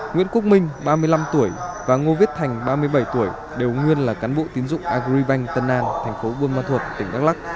nguyễn quốc minh ba mươi năm tuổi và ngô viết thành ba mươi bảy tuổi đều nguyên là cán bộ tiến dụng agribank tân an thành phố buôn ma thuột tỉnh đắk lắc